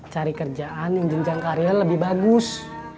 cari kerjaan yang jenjang karya lebih bagus